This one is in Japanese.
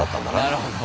なるほど。